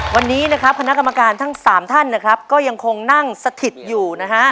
วันนี้นะครับคณะกรรมการทั้งสามท่านนะครับก็ยังคงนั่งสถิตอยู่นะฮะ